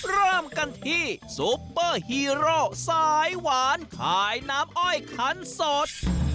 เริ่มกันที่ซุปเปอร์ฮีโร่สายหวานขายน้ำอ้อยขันสด